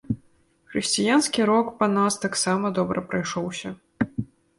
Хрысціянскі рок па нас таксама добра прайшоўся!